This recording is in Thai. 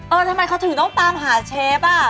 ทำไมเขาถึงต้องตามหาเชฟอ่ะ